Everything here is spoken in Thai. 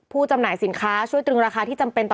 จำหน่ายสินค้าช่วยตรึงราคาที่จำเป็นต่อ